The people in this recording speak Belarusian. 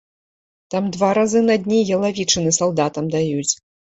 Там два разы на дні ялавічыны салдатам даюць.